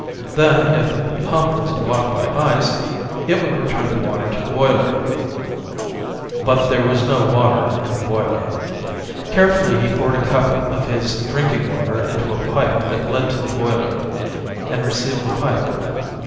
Then, if the pump wasn't blocked by ice, it would return the water to the boiler. But there was no water in the boiler. Carefully he poured a cup of his drinking water into a pipe that led to the boiler, and resealed the pipe.